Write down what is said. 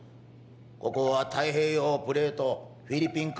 ここは太平洋プレートフィリピン海